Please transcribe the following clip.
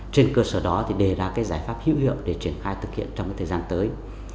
trên cơ sở đó thì đề ra cái giải pháp hữu hiệu để triển khai thực hiện trong thời gian tới